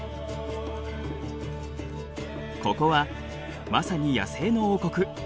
ここはまさに野生の王国。